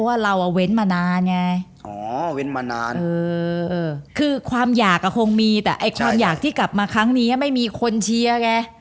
ครับแล้วอย่างมวยเนี่ย